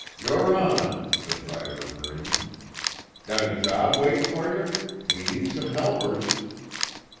"You're on!" The driver grinned. "Got a job waitin' for yer? We need some helpers."